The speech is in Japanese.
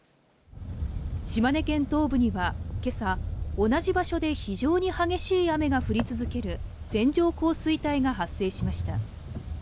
島根県東部にはけさ、同じ場所で非常に激しい雨が降り続ける線状降水帯が発生しました。